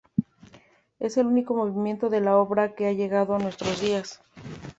Es el único movimiento de la obra que ha llegado a nuestros días.